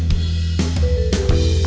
bukan tidur kang